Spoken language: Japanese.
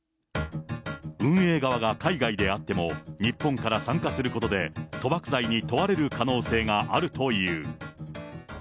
運営側が海外であっても、日本から参加することで賭博罪に問われる可能性があるという。